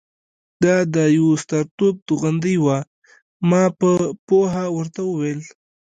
دا د یوه ستر توپ توغندۍ وه. ما په پوهه ورته وویل.